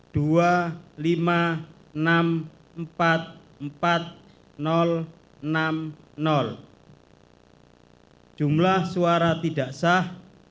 jumlah seluruh suara tidak sah